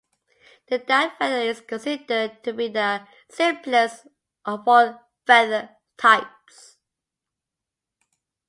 The down feather is considered to be the "simplest" of all feather types.